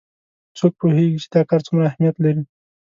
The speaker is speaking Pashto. څوک پوهیږي چې دا کار څومره اهمیت لري